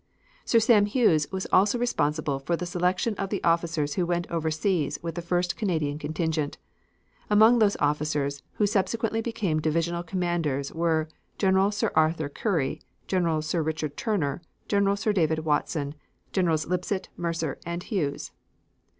Sir Sam Hughes was also responsible for the selection of the officers who went overseas with the first Canadian contingent. Among those officers who subsequently became divisional commanders were General Sir Arthur Currie, General Sir Richard Turner, General Sir David Watson, Generals Lipsett, Mercer and Hughes.